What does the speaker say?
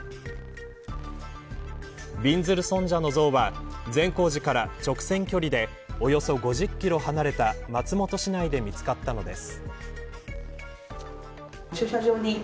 びんずる尊者の像は善光寺から直線距離でおよそ５０キロ離れた松本市内で見つかったのです。